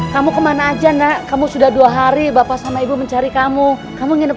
kamu kemana aja nak kamu sudah dua hari bapak sama ibu mencari kamu kamu nginep